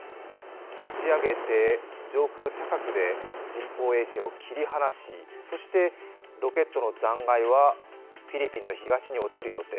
打ち上げて上空高くで人工衛星を切り離しそしてロケットの残骸はフィリピンの東に落ちる予定。